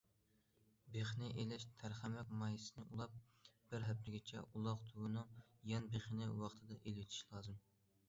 بىخنى ئېلىش: تەرخەمەك مايسىسىنى ئۇلاپ بىر ھەپتىگىچە ئۇلاق تۈۋىنىڭ يان بىخىنى ۋاقتىدا ئېلىۋېتىش لازىم.